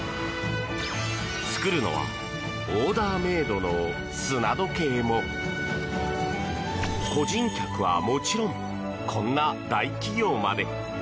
作るのはオーダーメイドの砂時計も個人客はもちろんこんな大企業まで。